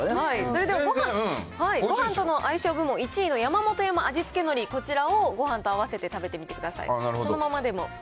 それではごはんとの相性部門１位の山本山味付海苔、こちらをごはんと合わせて食べてみてください。